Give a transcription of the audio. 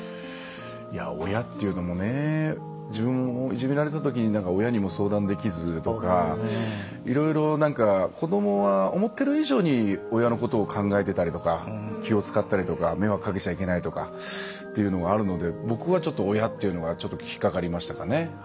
いや親っていうのもね自分もいじめられたときに親にも相談できずとかいろいろなんか子供は思ってる以上に親のことを考えてたりとか気を遣ったりとか迷惑かけちゃいけないとかっていうのがあるので僕はちょっと「親」っていうのがちょっと引っ掛かりましたかね。